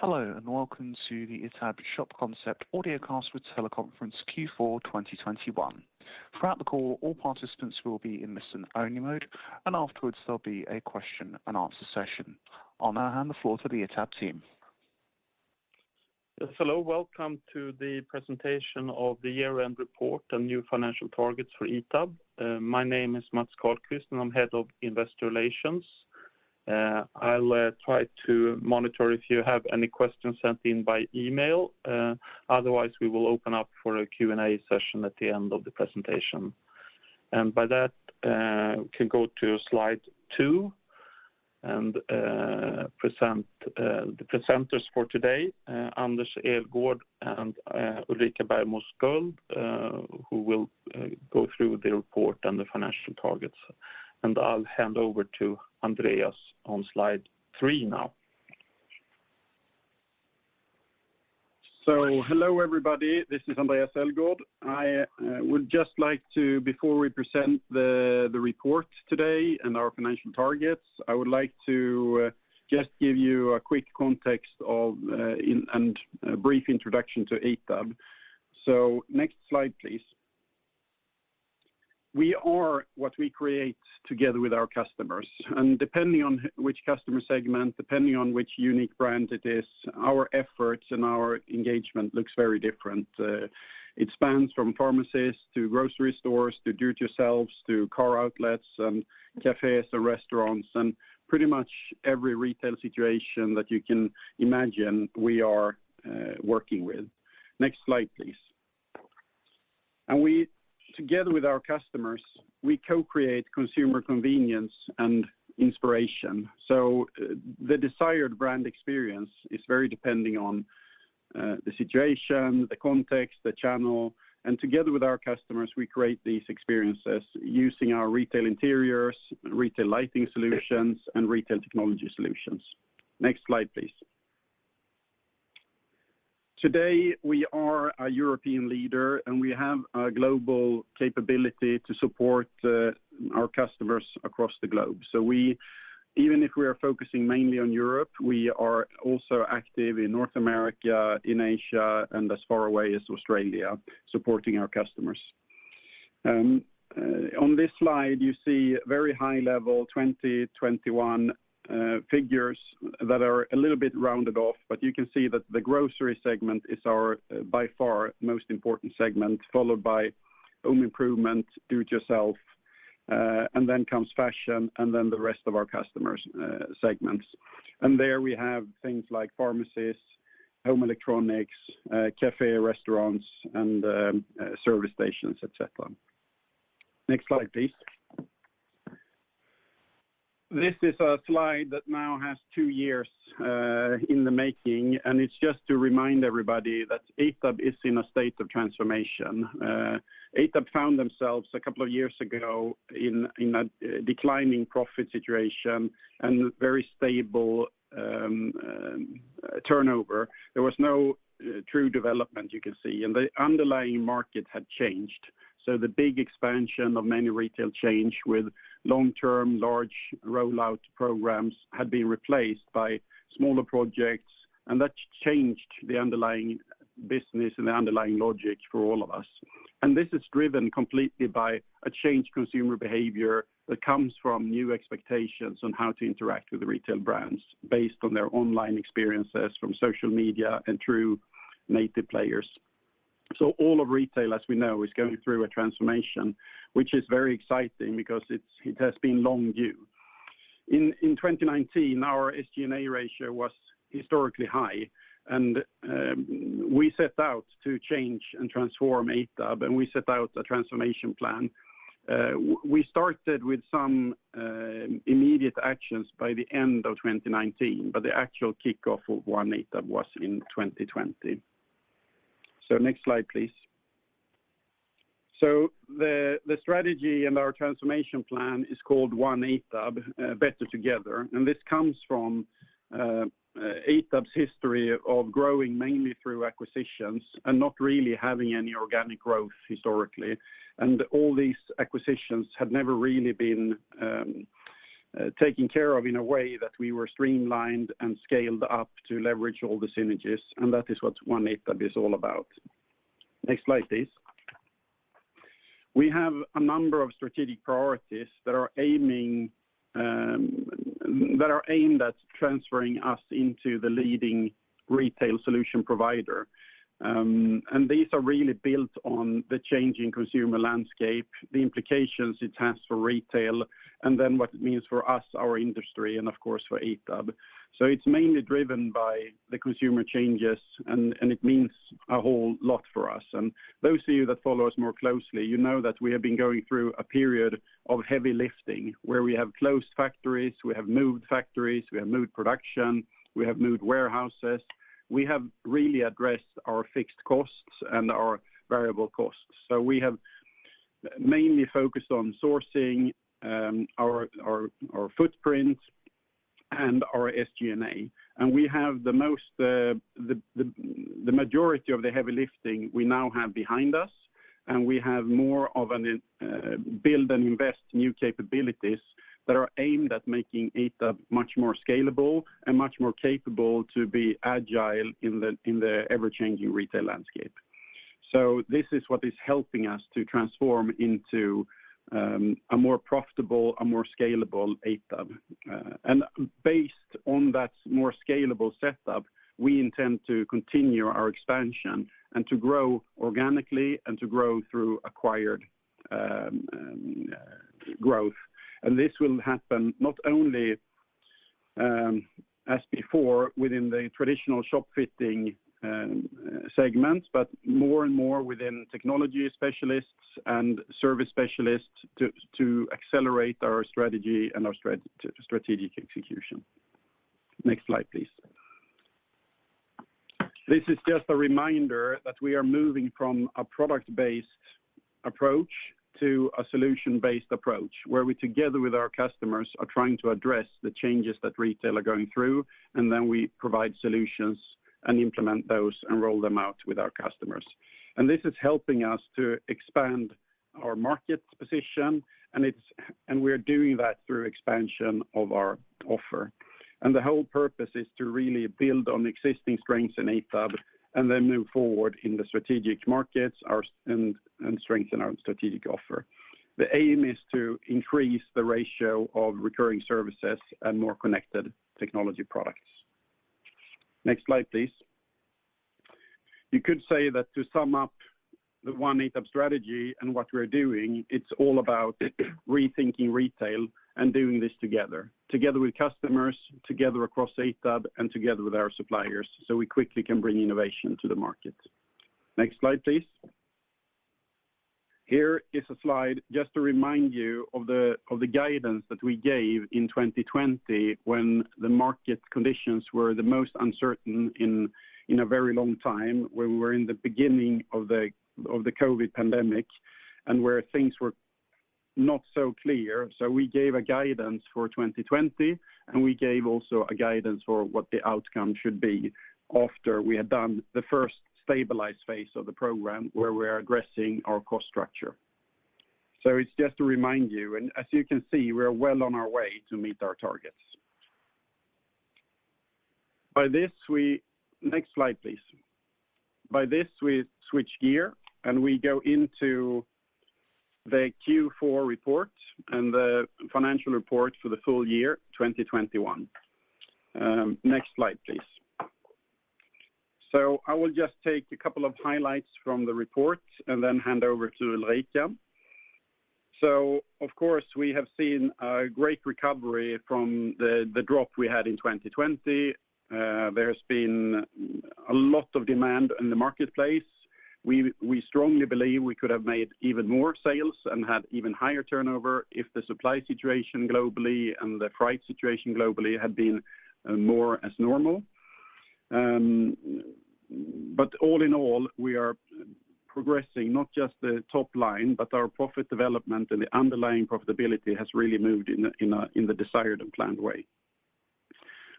Hello, and welcome to the ITAB Shop Concept audio cast with teleconference Q4 2021. Throughout the call, all participants will be in listen-only mode, and afterwards there'll be a question and answer session. I'll now hand the floor to the ITAB team. Yes. Hello. Welcome to the presentation of the year-end report and new financial targets for ITAB. My name is Mats Karlqvist, and I'm Head of Investor Relations. I'll try to monitor if you have any questions sent in by email. Otherwise, we will open up for a Q&A session at the end of the presentation. By that, we can go to slide two and present the presenters for today, Andréas Elgaard and Ulrika Bergmo Sköld, who will go through the report and the financial targets. I'll hand over to Andréas Elgaard on slide three now. Hello, everybody. This is Andréas Elgaard. I would just like to, before we present the report today and our financial targets, I would like to just give you a quick context and a brief introduction to ITAB. Next slide, please. We are what we create together with our customers, and depending on which customer segment, depending on which unique brand it is, our efforts and our engagement looks very different. It spans from pharmacies to grocery stores to do-it-yourselfs to car outlets and cafes or restaurants, and pretty much every retail situation that you can imagine we are working with. Next slide, please. We, together with our customers, we co-create consumer convenience and inspiration, so the desired brand experience is very depending on the situation, the context, the channel. Together with our customers, we create these experiences using our retail interiors, retail lighting solutions, and retail technology solutions. Next slide, please. Today, we are a European leader, and we have a global capability to support our customers across the globe. We, even if we are focusing mainly on Europe, we are also active in North America, in Asia, and as far away as Australia, supporting our customers. On this slide, you see very high level 2021 figures that are a little bit rounded off, but you can see that the grocery segment is our, by far, most important segment, followed by home improvement, do-it-yourself, and then comes fashion and then the rest of our customers segments. There we have things like pharmacies, home electronics, cafe, restaurants, and service stations, et cetera. Next slide, please. This is a slide that now has two years in the making, and it's just to remind everybody that ITAB is in a state of transformation. ITAB found themselves a couple of years ago in a declining profit situation and very stable turnover. There was no true development you could see, and the underlying market had changed. The big expansion of many retail chains with long-term, large rollout programs had been replaced by smaller projects, and that's changed the underlying business and the underlying logic for all of us. This is driven completely by a changed consumer behavior that comes from new expectations on how to interact with the retail brands based on their online experiences from social media and through native players. All of retail, as we know, is going through a transformation, which is very exciting because it's, it has been long due. In 2019, our SG&A ratio was historically high, and we set out to change and transform ITAB, and we set out a transformation plan. We started with some immediate actions by the end of 2019, but the actual kickoff of One ITAB was in 2020. Next slide, please. The strategy and our transformation plan is called One ITAB – Better Together, and this comes from ITAB's history of growing mainly through acquisitions and not really having any organic growth historically. All these acquisitions had never really been taken care of in a way that we were streamlined and scaled up to leverage all the synergies, and that is what One ITAB is all about. Next slide, please. We have a number of strategic priorities that are aimed at transferring us into the leading retail solution provider. These are really built on the changing consumer landscape, the implications it has for retail, and then what it means for us, our industry, and of course for ITAB. It's mainly driven by the consumer changes and it means a whole lot for us. Those of you that follow us more closely, you know that we have been going through a period of heavy lifting where we have closed factories, we have moved factories, we have moved production, we have moved warehouses. We have really addressed our fixed costs and our variable costs. We have mainly focused on sourcing our footprint and our SG&A, and we have the majority of the heavy lifting we now have behind us. We have more of a build and invest new capabilities that are aimed at making ITAB much more scalable and much more capable to be agile in the ever-changing retail landscape. This is what is helping us to transform into a more profitable, a more scalable ITAB. Based on that more scalable setup, we intend to continue our expansion and to grow organically and to grow through acquired growth. This will happen not only as before within the traditional shop fitting segments, but more and more within technology specialists and service specialists to accelerate our strategy and our strategic execution. Next slide, please. This is just a reminder that we are moving from a product-based approach to a solution-based approach, where we, together with our customers, are trying to address the changes that retail are going through, and then we provide solutions and implement those and roll them out with our customers. This is helping us to expand our market position, and it's and we are doing that through expansion of our offer. The whole purpose is to really build on existing strengths in ITAB and then move forward in the strategic markets and strengthen our strategic offer. The aim is to increase the ratio of recurring services and more connected technology products. Next slide, please. You could say that to sum up the One ITAB strategy and what we're doing, it's all about rethinking retail and doing this together with customers, together across ITAB, and together with our suppliers, so we quickly can bring innovation to the market. Next slide, please. Here is a slide just to remind you of the guidance that we gave in 2020 when the market conditions were the most uncertain in a very long time, when we were in the beginning of the COVID pandemic and where things were not so clear. We gave a guidance for 2020, and we gave also a guidance for what the outcome should be after we had done the first stabilized phase of the program where we are addressing our cost structure. It's just to remind you, and as you can see, we are well on our way to meet our targets. By this. Next slide, please. By this, we switch gear, and we go into the Q4 report and the financial report for the full year 2021. Next slide, please. I will just take a couple of highlights from the report and then hand over to Ulrika. Of course, we have seen a great recovery from the drop we had in 2020. There's been a lot of demand in the marketplace. We strongly believe we could have made even more sales and had even higher turnover if the supply situation globally and the freight situation globally had been more as normal. All in all, we are progressing not just the top line, but our profit development and the underlying profitability has really moved in the desired and planned way.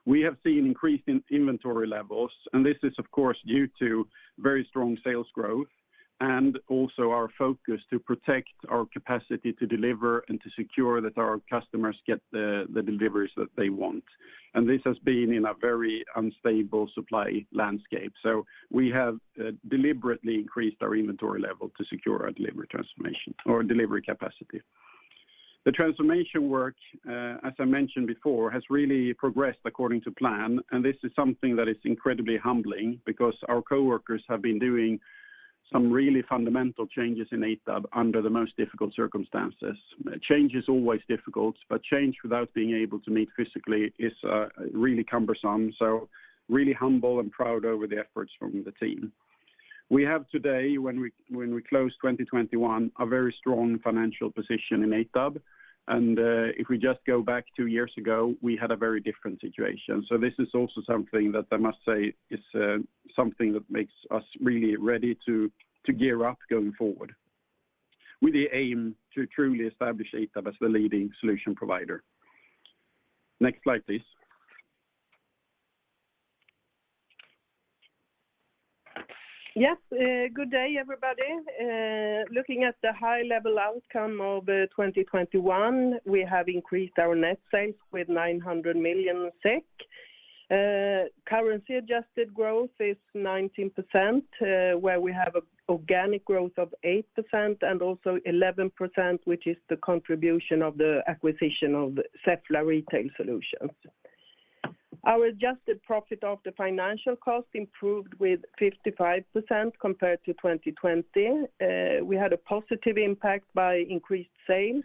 We have seen increased inventory levels, and this is of course due to very strong sales growth and also our focus to protect our capacity to deliver and to secure that our customers get the deliveries that they want. This has been in a very unstable supply landscape. We have deliberately increased our inventory level to secure our delivery transformation or delivery capacity. The transformation work, as I mentioned before, has really progressed according to plan, and this is something that is incredibly humbling because our coworkers have been doing some really fundamental changes in ITAB under the most difficult circumstances. Change is always difficult, but change without being able to meet physically is really cumbersome. Really humble and proud over the efforts from the team. We have today, when we close 2021, a very strong financial position in ITAB, and if we just go back two years ago, we had a very different situation. This is also something that I must say is something that makes us really ready to gear up going forward with the aim to truly establish ITAB as the leading solution provider. Next slide, please. Yes, good day, everybody. Looking at the high-level outcome of 2021, we have increased our net sales with 900 million SEK. Currency-adjusted growth is 19%, where we have a organic growth of 8% and also 11%, which is the contribution of the acquisition of the Cefla Retail Solutions. Our adjusted profit of the financial cost improved with 55% compared to 2020. We had a positive impact by increased sales,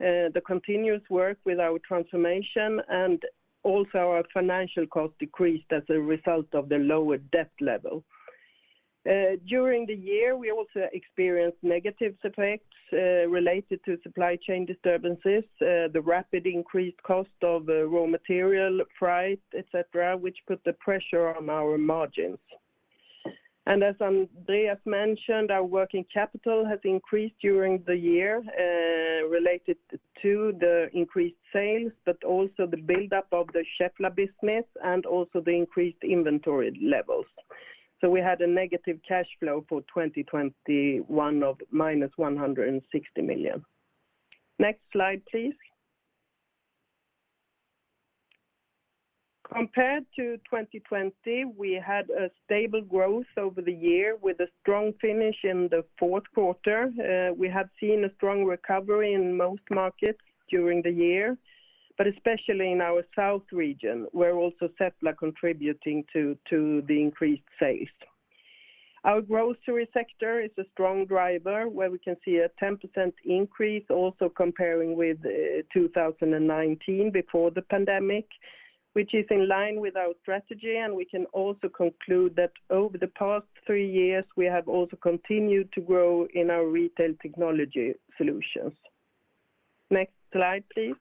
the continuous work with our transformation, and also our financial cost decreased as a result of the lower debt level. During the year, we also experienced negative effects, related to supply chain disturbances, the rapid increased cost of raw material price, et cetera, which put the pressure on our margins. As Andréas mentioned, our working capital has increased during the year, related to the increased sales, also the buildup of the Cefla business and also the increased inventory levels. We had a negative cash flow for 2021 of -160 million. Next slide, please. Compared to 2020, we had a stable growth over the year with a strong finish in the fourth quarter. We have seen a strong recovery in most markets during the year, but especially in our South region, where also Cefla contributing to the increased sales. Our grocery sector is a strong driver where we can see a 10% increase also comparing with 2019 before the pandemic, which is in line with our strategy. We can also conclude that over the past three years, we have also continued to grow in our retail technology solutions. Next slide, please.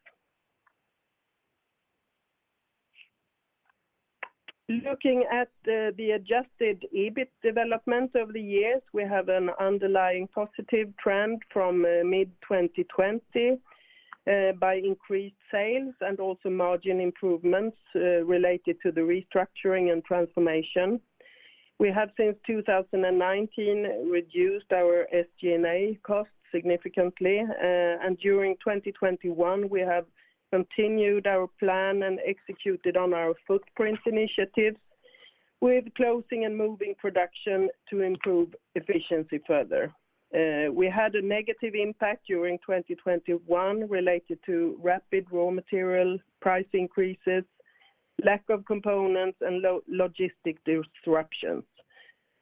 Looking at the adjusted EBIT development over the years, we have an underlying positive trend from mid-2020 by increased sales and also margin improvements related to the restructuring and transformation. We have since 2019 reduced our SG&A costs significantly, and during 2021, we have continued our plan and executed on our footprint initiatives with closing and moving production to improve efficiency further. We had a negative impact during 2021 related to rapid raw material price increases, lack of components, and logistic disruptions.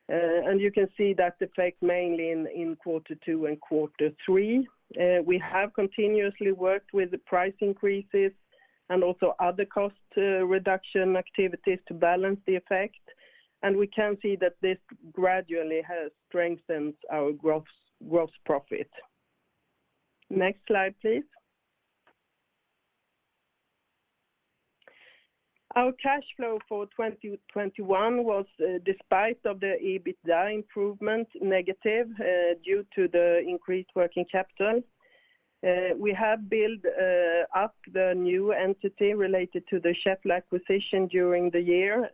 You can see that effect mainly in quarter two and quarter three. We have continuously worked with the price increases and also other cost reduction activities to balance the effect, and we can see that this gradually has strengthened our gross profit. Next slide, please. Our cash flow for 2021 was, despite of the EBITDA improvement negative, due to the increased working capital. We have built up the new entity related to the Cefla acquisition during the year,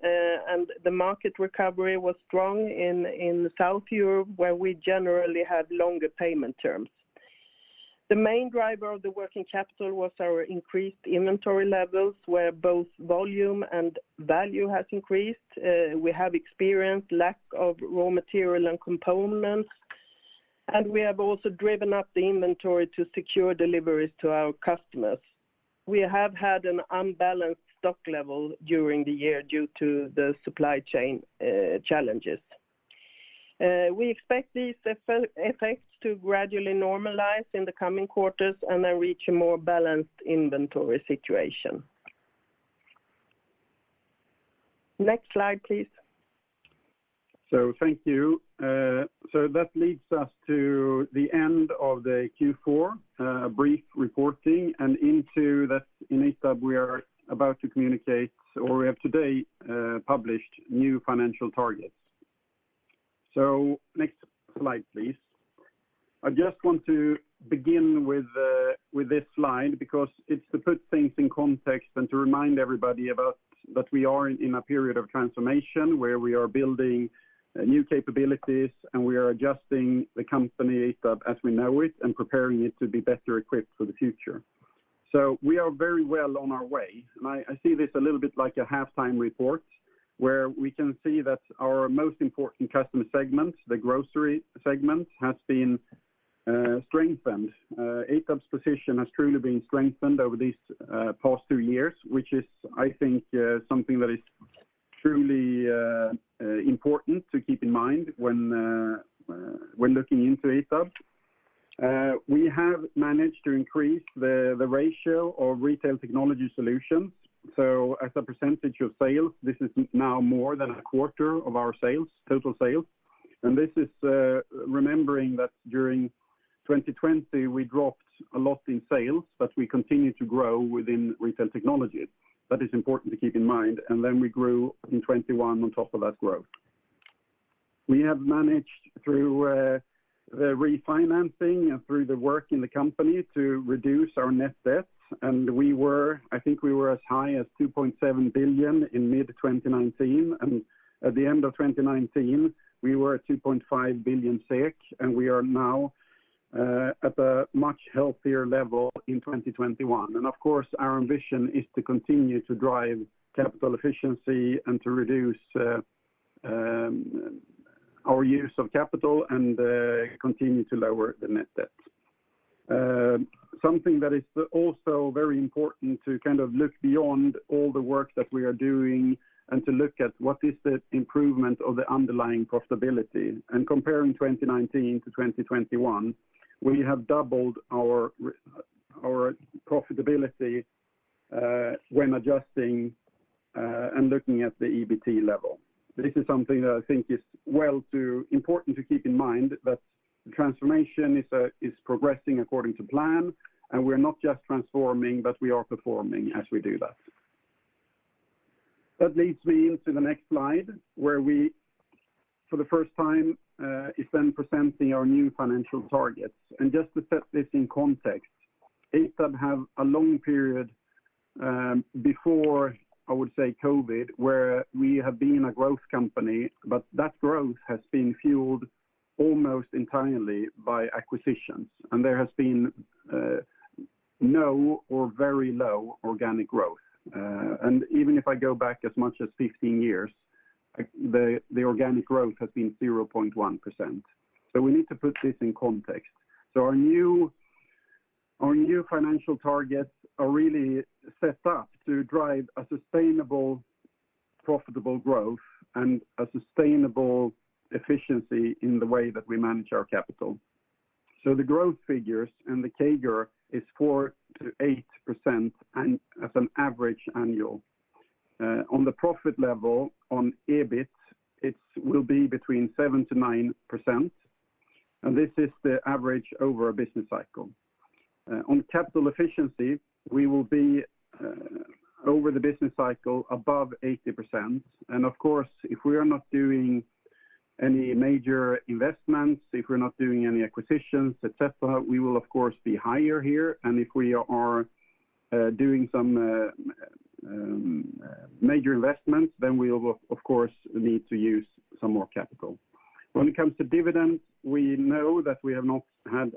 and the market recovery was strong in South Europe, where we generally have longer payment terms. The main driver of the working capital was our increased inventory levels, where both volume and value has increased. We have experienced lack of raw material and components, and we have also driven up the inventory to secure deliveries to our customers. We have had an unbalanced stock level during the year due to the supply chain challenges. We expect these effects to gradually normalize in the coming quarters and then reach a more balanced inventory situation. Next slide, please. Thank you. That leads us to the end of the Q4 brief reporting and into that in ITAB we are about to communicate, or we have today published new financial targets. Next slide, please. I just want to begin with this slide because it's to put things in context and to remind everybody about that we are in a period of transformation where we are building new capabilities, and we are adjusting the company ITAB as we know it and preparing it to be better equipped for the future. We are very well on our way, and I see this a little bit like a halftime report, where we can see that our most important customer segment, the grocery segment, has been strengthened. ITAB's position has truly been strengthened over these past two years, which is, I think, something that is truly important to keep in mind when looking into ITAB. We have managed to increase the ratio of retail technology solutions. As a percentage of sales, this is now more than a quarter of our sales, total sales. This is remembering that during 2020, we dropped a lot in sales, but we continued to grow within retail technology. That is important to keep in mind. We grew in 2021 on top of that growth. We have managed through the refinancing and through the work in the company to reduce our net debt. I think we were as high as 2.7 billion in mid-2019. At the end of 2019, we were at 2.5 billion SEK, and we are now at a much healthier level in 2021. Of course, our ambition is to continue to drive capital efficiency and to reduce our use of capital and continue to lower the net debt. Something that is also very important to kind of look beyond all the work that we are doing and to look at what is the improvement of the underlying profitability. Comparing 2019 to 2021, we have doubled our profitability when adjusting and looking at the EBT level. This is something that I think is important to keep in mind that the transformation is progressing according to plan, and we're not just transforming, but we are performing as we do that. That leads me into the next slide, where we for the first time is then presenting our new financial targets. Just to set this in context, ITAB have a long period, before, I would say COVID, where we have been a growth company, but that growth has been fueled almost entirely by acquisitions, and there has been no or very low organic growth. Even if I go back as much as 15 years, the organic growth has been 0.1%. We need to put this in context. Our new financial targets are really set up to drive a sustainable, profitable growth and a sustainable efficiency in the way that we manage our capital. The growth figures and the CAGR is 4%-8% as an average annual. On the profit level on EBIT, it will be between 7%-9%, and this is the average over a business cycle. On capital efficiency, we will be over the business cycle above 80%. Of course, if we are not doing any major investments, if we're not doing any acquisitions, et cetera, we will of course be higher here. If we are doing some major investments, then we will of course need to use some more capital. When it comes to dividends, we know that we have not had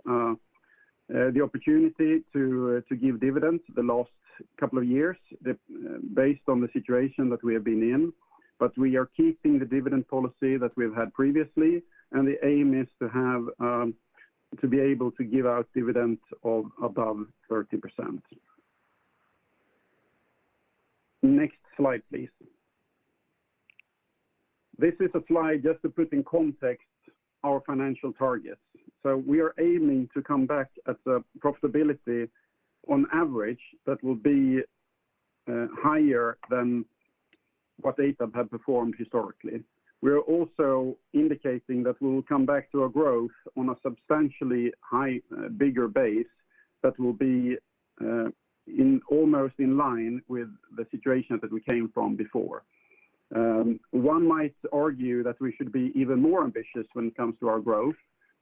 the opportunity to give dividends the last couple of years, based on the situation that we have been in. We are keeping the dividend policy that we've had previously, and the aim is to be able to give out dividends of above 30%. Next slide, please. This is a slide just to put in context our financial targets. We are aiming to come back at the profitability on average that will be higher than what ITAB had performed historically. We are also indicating that we will come back to a growth on a substantially higher bigger base that will be almost in line with the situation that we came from before. One might argue that we should be even more ambitious when it comes to our growth,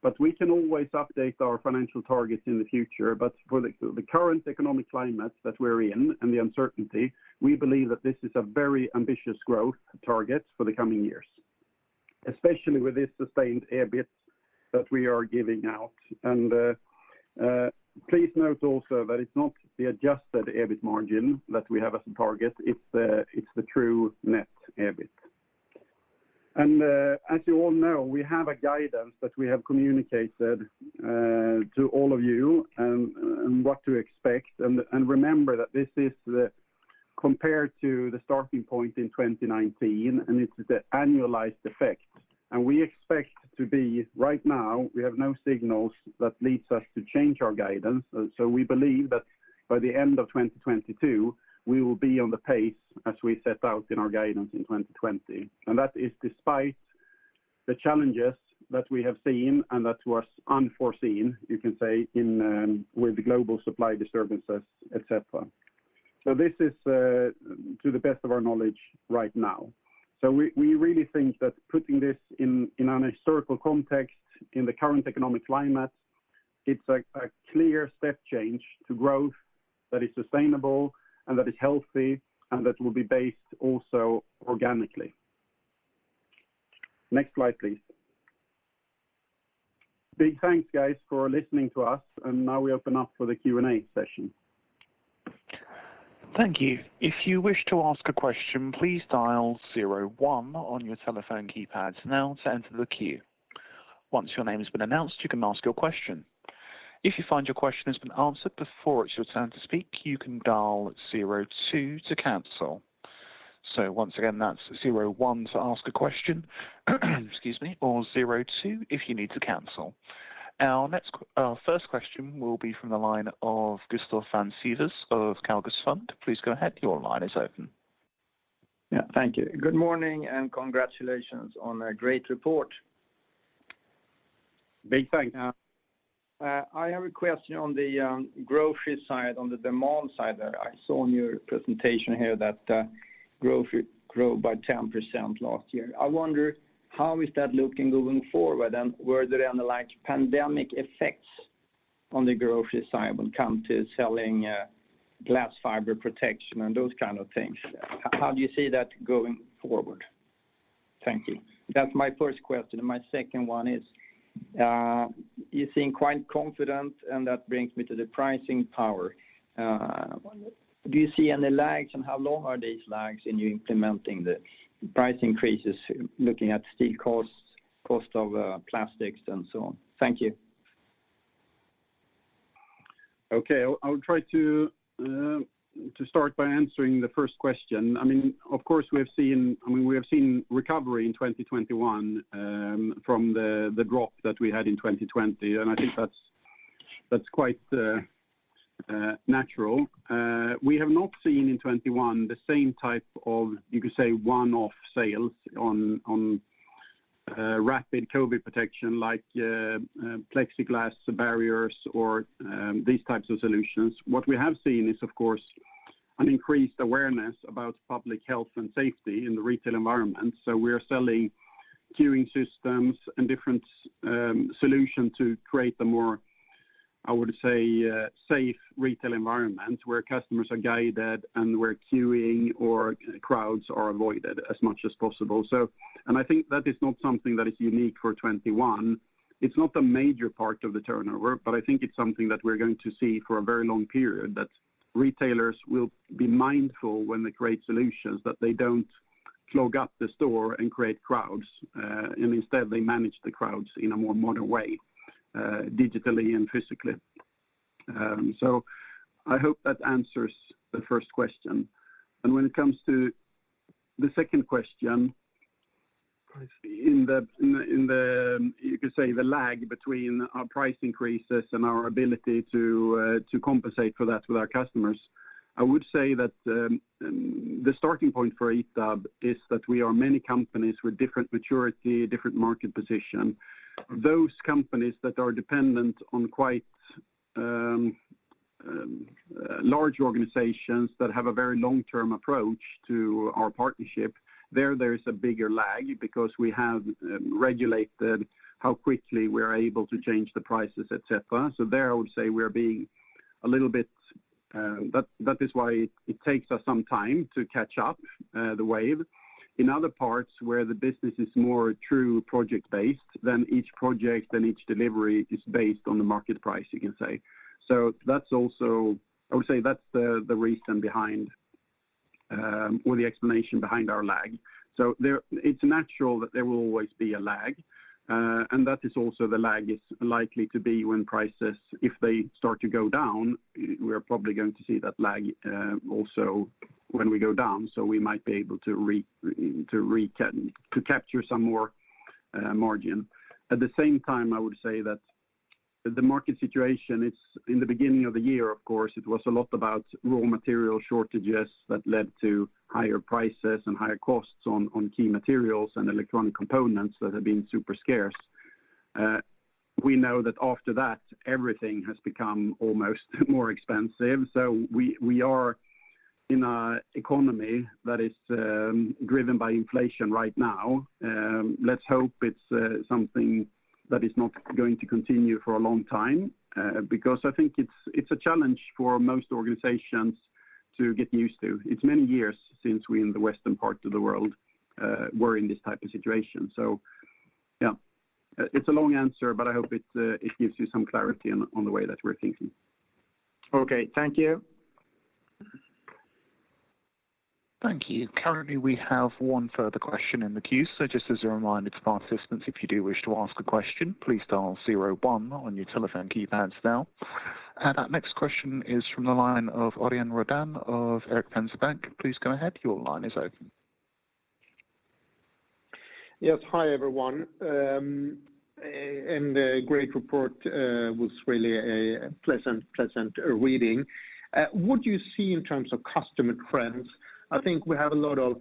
but we can always update our financial targets in the future. For the current economic climate that we're in and the uncertainty, we believe that this is a very ambitious growth target for the coming years, especially with this sustained EBIT that we are giving out. Please note also that it's not the adjusted EBIT margin that we have as a target, it's the true net EBIT. As you all know, we have a guidance that we have communicated to all of you on what to expect. Remember that this is compared to the starting point in 2019, and it's the annualized effect. Right now, we have no signals that leads us to change our guidance. We believe that by the end of 2022, we will be on the pace as we set out in our guidance in 2020. That is despite the challenges that we have seen and that was unforeseen, you can say, in, with the global supply disturbances, et cetera. This is, to the best of our knowledge right now. We really think that putting this in an historical context in the current economic climate, it's a clear step change to growth that is sustainable and that is healthy and that will be based also organically. Next slide, please. Big thanks, guys, for listening to us. Now we open up for the Q&A session. Thank you. If you wish to ask a question, please dial zero one on your telephone keypads now to enter the queue. Once your name has been announced, you can ask your question. If you find your question has been answered before it's your turn to speak, you can dial zero two to cancel. Once again, that's zero one to ask a question, excuse me, or zero two if you need to cancel. Our first question will be from the line of Gustaf von Sivers of Calgus Fond. Please go ahead. Your line is open. Yeah. Thank you. Good morning, and congratulations on a great report. Big thanks. I have a question on the grocery side, on the demand side. I saw on your presentation here that grocery grew by 10% last year. I wonder, how is that looking going forward? And were there any, like, pandemic effects on the grocery side when it come to selling glass fiber protection and those kind of things? How do you see that going forward? Thank you. That's my first question. My second one is, you seem quite confident, and that brings me to the pricing power. Do you see any lags, and how long are these lags in you implementing the price increases, looking at steel costs, cost of plastics, and so on? Thank you. Okay. I'll try to start by answering the first question. I mean, of course, we have seen recovery in 2021 from the drop that we had in 2020, and I think that's quite natural. We have not seen in 2021 the same type of, you could say, one-off sales on rapid COVID protection like plexiglass barriers or these types of solutions. What we have seen is, of course, an increased awareness about public health and safety in the retail environment. We are selling queuing systems and different solutions to create a more, I would say, safe retail environment where customers are guided and where queuing or crowds are avoided as much as possible. I think that is not something that is unique for 2021. It's not a major part of the turnover, but I think it's something that we're going to see for a very long period, that retailers will be mindful when they create solutions that they don't clog up the store and create crowds. Instead they manage the crowds in a more modern way, digitally and physically. I hope that answers the first question. When it comes to the second question, you could say the lag between our price increases and our ability to compensate for that with our customers, I would say that the starting point for ITAB is that we are many companies with different maturity, different market position. Those companies that are dependent on quite large organizations that have a very long-term approach to our partnership, there's a bigger lag because we have regulated how quickly we are able to change the prices, et cetera. There I would say we are being a little bit. That is why it takes us some time to catch up to the wave. In other parts where the business is more truly project-based, then each project and each delivery is based on the market price, you can say. That's also, I would say, that's the reason behind or the explanation behind our lag. It's natural that there will always be a lag, and that is also the lag is likely to be when prices, if they start to go down, we are probably going to see that lag also when we go down. We might be able to capture some more margin. At the same time, I would say that the market situation in the beginning of the year, of course, it was a lot about raw material shortages that led to higher prices and higher costs on key materials and electronic components that have been super scarce. We know that after that, everything has become almost more expensive. We are in an economy that is driven by inflation right now. Let's hope it's something that is not going to continue for a long time, because I think it's a challenge for most organizations to get used to. It's many years since we in the western parts of the world were in this type of situation. Yeah, it's a long answer, but I hope it gives you some clarity on the way that we're thinking. Okay. Thank you. Thank you. Currently, we have one further question in the queue. Just as a reminder to participants, if you do wish to ask a question, please dial zero one on your telephone keypads now. Our next question is from the line of Örjan Rödén of Erik Penser Bank. Please go ahead. Your line is open. Yes. Hi, everyone. A great report was really a pleasant reading. What do you see in terms of customer trends? I think we have a lot of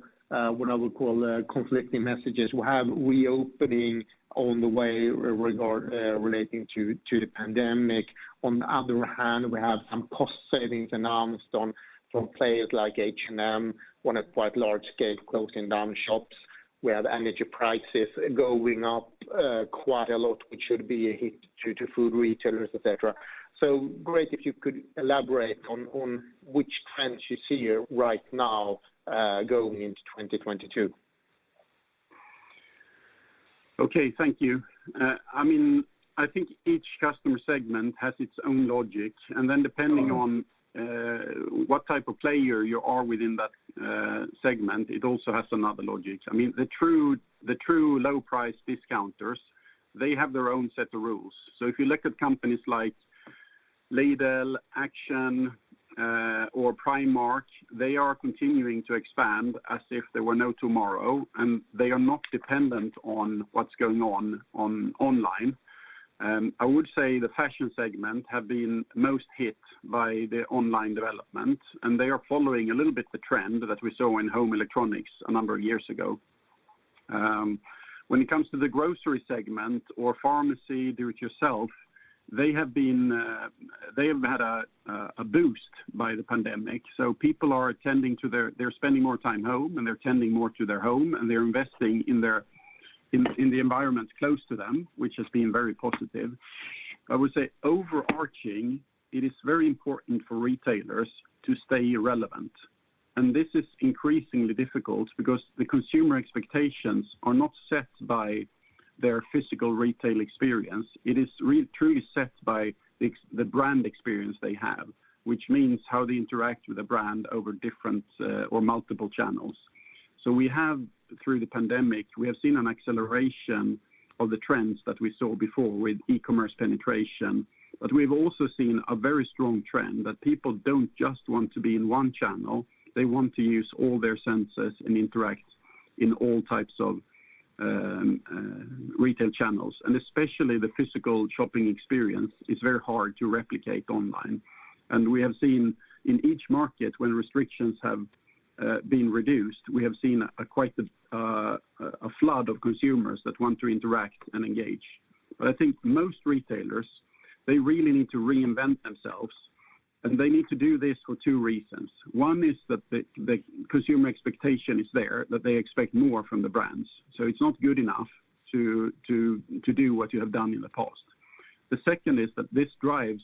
what I would call conflicting messages. We have reopening on the way relating to the pandemic. On the other hand, we have some cost savings announced from players like H&M on a quite large scale closing down shops. We have energy prices going up quite a lot, which should be a hit to food retailers, et cetera. Great if you could elaborate on which trends you see right now going into 2022. Okay. Thank you. I mean, I think each customer segment has its own logic. Depending on what type of player you are within that segment, it also has another logic. I mean, the true low price discounters, they have their own set of rules. If you look at companies like Lidl, Action, or Primark, they are continuing to expand as if there were no tomorrow, and they are not dependent on what's going on online. I would say the fashion segment have been most hit by the online development, and they are following a little bit the trend that we saw in home electronics a number of years ago. When it comes to the grocery segment or pharmacy do it yourself, they have had a boost by the pandemic. They're spending more time at home, and they're attending more to their home, and they're investing in the environment close to them, which has been very positive. I would say, overarching, it is very important for retailers to stay relevant. This is increasingly difficult because the consumer expectations are not set by their physical retail experience. It is really set by the brand experience they have, which means how they interact with the brand over different or multiple channels. We have, through the pandemic, seen an acceleration of the trends that we saw before with e-commerce penetration. We've also seen a very strong trend that people don't just want to be in one channel. They want to use all their senses and interact in all types of retail channels. Especially the physical shopping experience is very hard to replicate online. We have seen in each market when restrictions have been reduced, we have seen quite a flood of consumers that want to interact and engage. I think most retailers, they really need to reinvent themselves. They need to do this for two reasons. One is that the consumer expectation is there, that they expect more from the brands, so it's not good enough to do what you have done in the past. The second is that this drives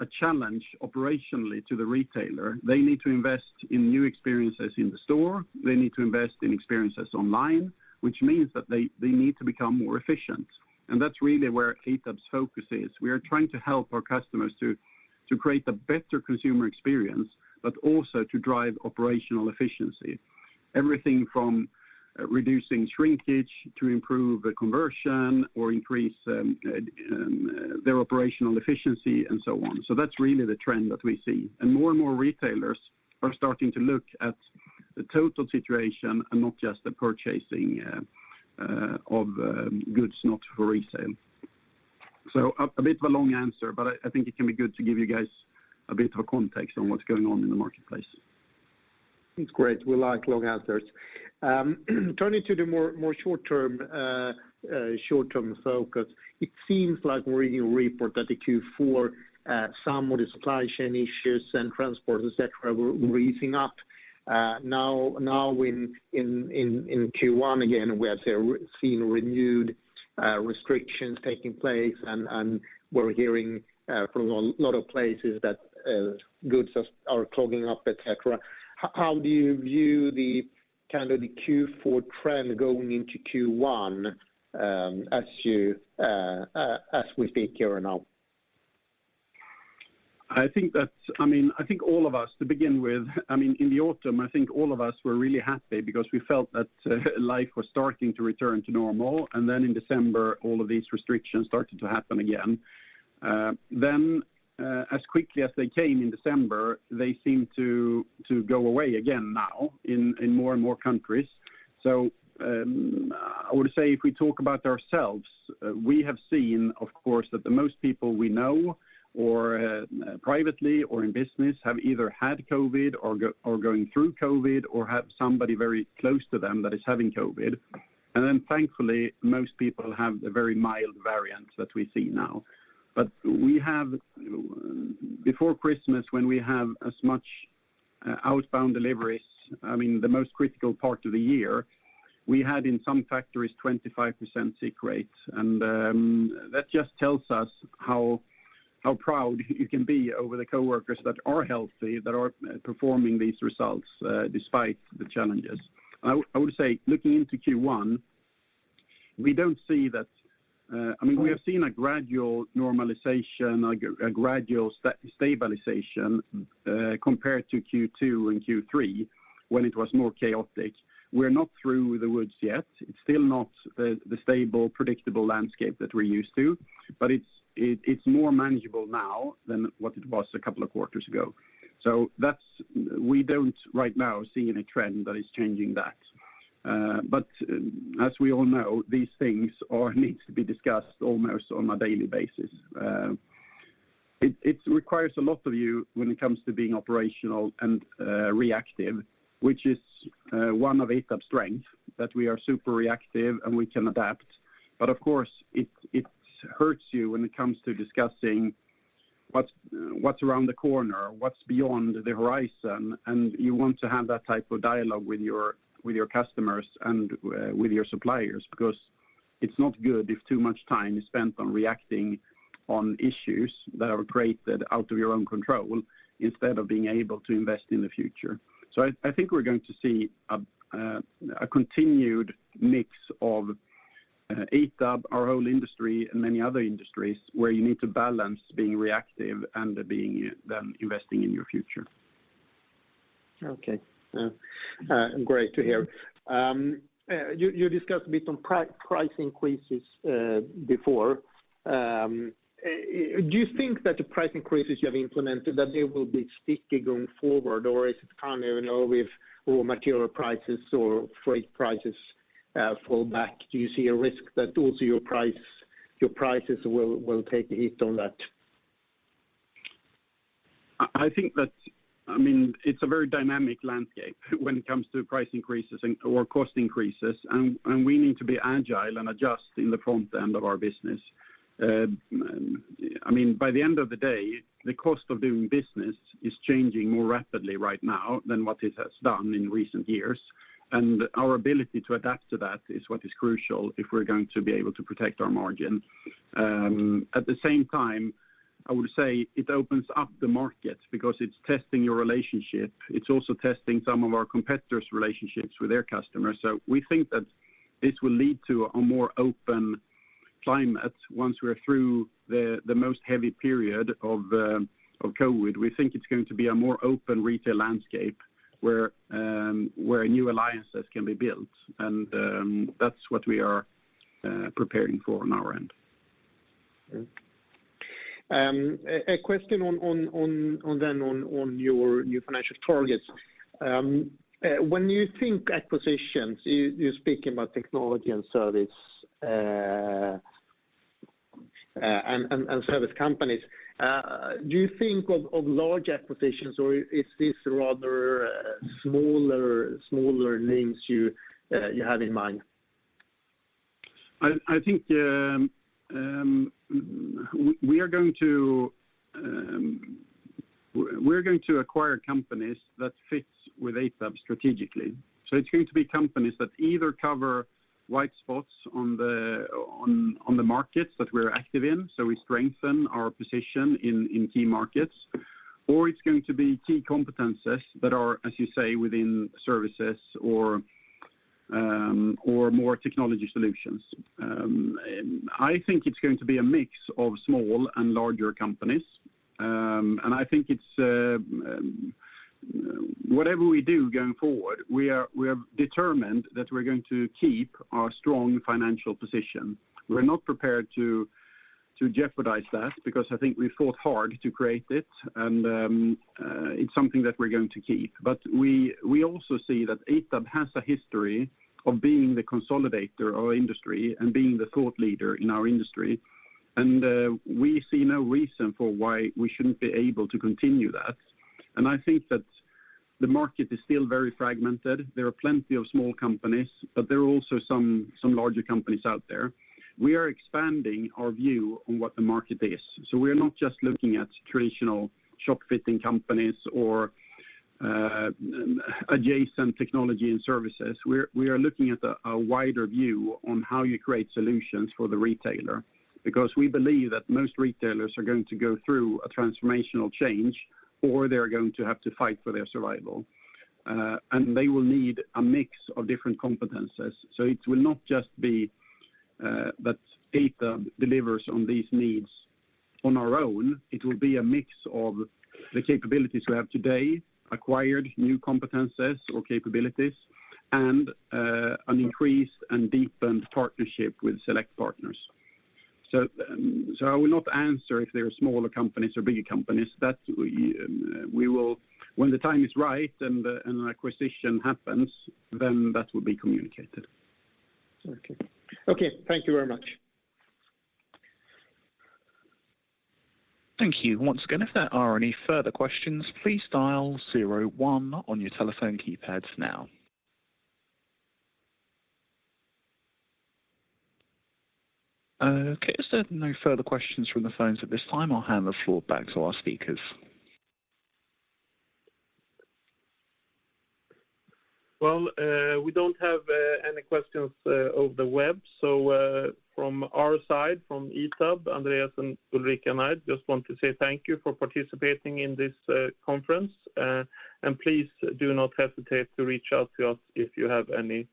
a challenge operationally to the retailer. They need to invest in new experiences in the store. They need to invest in experiences online, which means that they need to become more efficient. That's really where ITAB's focus is. We are trying to help our customers to create a better consumer experience, but also to drive operational efficiency. Everything from reducing shrinkage to improve the conversion or increase their operational efficiency and so on. That's really the trend that we see. More and more retailers are starting to look at the total situation and not just the purchasing of goods not for resale. A bit of a long answer, but I think it can be good to give you guys a bit of context on what's going on in the marketplace. It's great. We like long answers. Turning to the more short-term focus, it seems like in the report that in Q4 some of the supply chain issues and transport, et cetera, were easing up. Now in Q1, again, we have seen renewed restrictions taking place and we're hearing from a lot of places that goods are clogging up, et cetera. How do you view the kind of the Q4 trend going into Q1 as we speak here now? I mean, I think all of us to begin with, I mean, in the autumn, I think all of us were really happy because we felt that life was starting to return to normal. Then in December, all of these restrictions started to happen again. Then, as quickly as they came in December, they seemed to go away again now in more and more countries. I would say if we talk about ourselves, we have seen, of course, that the most people we know or privately or in business have either had COVID or going through COVID or have somebody very close to them that is having COVID. Thankfully, most people have the very mild variant that we see now. We have, before Christmas, when we have as much outbound deliveries, I mean, the most critical part of the year, we had in some factories 25% sick rates. That just tells us how proud you can be over the coworkers that are healthy, that are performing these results, despite the challenges. I would say, looking into Q1, we don't see that. I mean, we have seen a gradual normalization, a gradual stabilization, compared to Q2 and Q3 when it was more chaotic. We're not through the woods yet. It's still not the stable, predictable landscape that we're used to, but it's more manageable now than what it was a couple of quarters ago. That's. We don't right now seeing a trend that is changing that. As we all know, these things need to be discussed almost on a daily basis. It requires a lot of you when it comes to being operational and reactive, which is one of ITAB's strengths, that we are super reactive and we can adapt. Of course, it hurts you when it comes to discussing what's around the corner, what's beyond the horizon, and you want to have that type of dialogue with your customers and with your suppliers, because it's not good if too much time is spent on reacting on issues that are created out of your own control instead of being able to invest in the future. I think we're going to see a continued mix of ITAB, our whole industry, and many other industries where you need to balance being reactive and being investing in your future. Okay. Great to hear. You discussed a bit on price increases before. Do you think that the price increases you have implemented, that they will be sticky going forward? Or is it kind of, you know, with raw material prices or freight prices fall back? Do you see a risk that also your prices will take a hit on that? I mean, it's a very dynamic landscape when it comes to price increases and/or cost increases, and we need to be agile and adjust in the front end of our business. I mean, by the end of the day, the cost of doing business is changing more rapidly right now than what it has done in recent years. Our ability to adapt to that is what is crucial if we're going to be able to protect our margin. At the same time, I would say it opens up the market because it's testing your relationship. It's also testing some of our competitors' relationships with their customers. We think that this will lead to a more open climate once we're through the most heavy period of COVID. We think it's going to be a more open retail landscape where new alliances can be built. That's what we are preparing for on our end. A question on your financial targets. When you think of acquisitions, you're speaking about technology and service companies. Do you think of large acquisitions, or is this rather smaller links you have in mind? I think we're going to acquire companies that fits with ITAB strategically. It's going to be companies that either cover white spots on the markets that we're active in, so we strengthen our position in key markets. It's going to be key competences that are, as you say, within services or more technology solutions. I think it's going to be a mix of small and larger companies. I think whatever we do going forward, we are determined that we're going to keep our strong financial position. We're not prepared to jeopardize that because I think we fought hard to create it and it's something that we're going to keep. We also see that ITAB has a history of being the consolidator of industry and being the thought leader in our industry. We see no reason for why we shouldn't be able to continue that. I think that the market is still very fragmented. There are plenty of small companies, but there are also some larger companies out there. We are expanding our view on what the market is, so we're not just looking at traditional shop fitting companies or adjacent technology and services. We are looking at a wider view on how you create solutions for the retailer, because we believe that most retailers are going to go through a transformational change or they're going to have to fight for their survival. They will need a mix of different competences. It will not just be that ITAB delivers on these needs on our own. It will be a mix of the capabilities we have today, acquired new competences or capabilities, and an increased and deepened partnership with select partners. I will not answer if they are smaller companies or bigger companies. That we will when the time is right and an acquisition happens, then that will be communicated. Okay, thank you very much. Thank you. Once again, if there are any further questions, please dial zero one on your telephone keypads now. Okay. As there are no further questions from the phones at this time, I'll hand the floor back to our speakers. Well, we don't have any questions over the web. From our side, from ITAB, Andreas and Ulrika and I just want to say thank you for participating in this conference. Please do not hesitate to reach out to us if you have any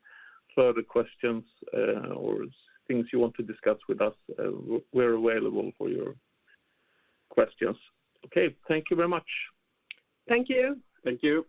further questions or things you want to discuss with us. We're available for your questions. Okay, thank you very much. Thank you. Thank you.